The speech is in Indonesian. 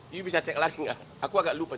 yuk bisa cek lagi nggak aku agak lupa